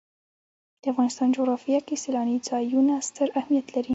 د افغانستان جغرافیه کې سیلانی ځایونه ستر اهمیت لري.